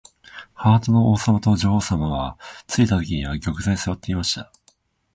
ハートの王さまと女王さまは、ついたときには玉座にすわっていました。